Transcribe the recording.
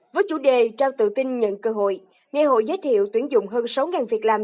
với chủ đề trao tự tin nhận cơ hội ngày hội giới thiệu tuyển dụng hơn sáu việc làm